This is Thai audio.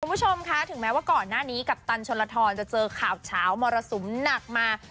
คุณผู้ชมคะถึงแม้ว่าก่อนหน้านี้กัปตันชนละทรจะเจอข่าวเฉามรสุมหนักมา